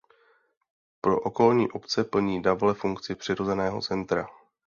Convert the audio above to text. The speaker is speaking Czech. Pro okolní obce plní Davle funkci přirozeného centra.